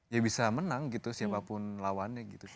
ya bisa menang gitu siapapun lawannya gitu